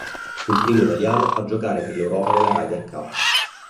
Fu il primo italiano a giocare per l'Europa nella Ryder Cup.